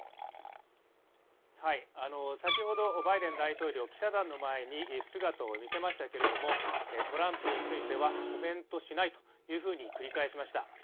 先ほどバイデン大統領記者団の前に姿を見せましたけれども、トランプについてはコメントしないというふうに繰り返しました。